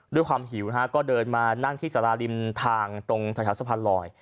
ด้วยความหิวนะฮะก็เดินมานั่งที่สาราริมทางตรงแถวสะพานลอย